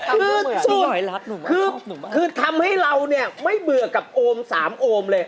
คือคือทำให้เราเนี่ยไม่เบื่อกับโอมสามโอมเลย